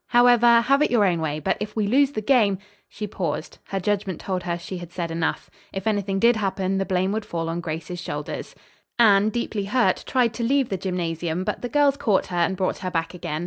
However, have it your own way. But if we lose the game " She paused. Her judgment told her she had said enough. If anything did happen, the blame would fall on Grace's shoulders. Anne, deeply hurt, tried to leave the gymnasium but the girls caught her, and brought her back again.